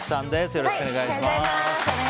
よろしくお願いします。